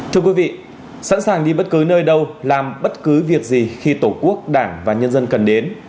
thưa quý vị sẵn sàng đi bất cứ nơi đâu làm bất cứ việc gì khi tổ quốc đảng và nhân dân cần đến